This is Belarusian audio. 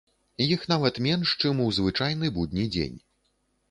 Іх нават менш, чым у звычайны будні дзень.